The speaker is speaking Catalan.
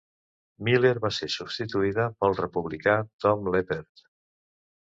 Miller va ser substituïda pel republicà Tom Leppert.